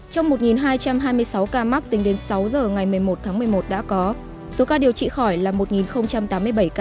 trong một hai trăm hai mươi sáu ca mắc tính đến sáu giờ ngày một mươi một tháng một mươi một đã có số ca điều trị khỏi là một tám mươi bảy ca